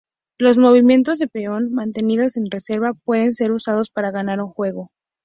Los movimientos de peón mantenidos en reserva pueden ser usados para ganar un juego.